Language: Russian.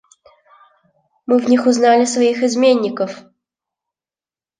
Мы в них узнали своих изменников.